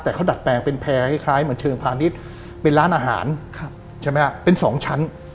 แต่เขาดัดแปลงเป็นแพร่คล้ายเหมือนเชิงพาณิชย์เป็นร้านอาหารใช่ไหมฮะเป็นสองชั้น